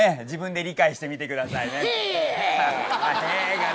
自分で理解してみてくださいね。